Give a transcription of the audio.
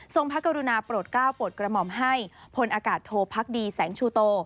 พระกรุณาโปรดก้าวโปรดกระหม่อมให้พลอากาศโทพักดีแสงชูโต